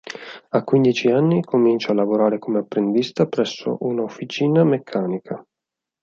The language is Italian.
A quindici anni comincia a lavorare come apprendista presso una officina meccanica.